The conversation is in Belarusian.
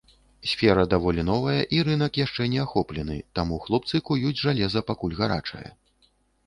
Сфера даволі новая, і рынак яшчэ не ахоплены, таму хлопцы куюць жалеза, пакуль гарачае.